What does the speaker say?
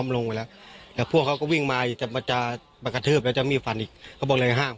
แล้วบอกห้างพอไว้ว่าไงครับ